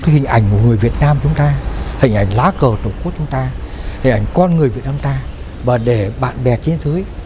hình ảnh của người việt nam chúng ta hình ảnh lá cờ tổng quốc chúng ta hình ảnh con người việt nam ta và để bạn bè trên thứ